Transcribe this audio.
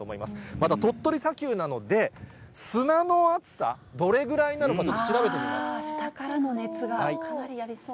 また鳥取砂丘なので、砂の熱さ、どれぐらいなのかちょっと調べて下からの熱がかなりありそう。